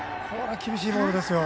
厳しいボールですよ。